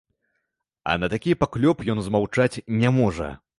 А на такі паклёп ён змаўчаць не можа.